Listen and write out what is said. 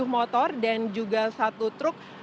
sepuluh motor dan juga satu truk